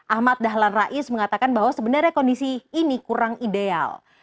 ahmad dahlan rais mengatakan bahwa sebenarnya kondisi ini kurang ideal